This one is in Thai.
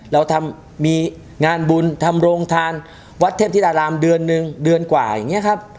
เราทำมีงานบุญทำโรงทานวัดเทพธิรารามเดือนหนึ่งเดือนกว่าอย่างนี้ครับ